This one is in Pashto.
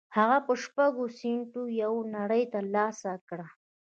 هغه په شپږو سينټو یوه نړۍ تر لاسه کړه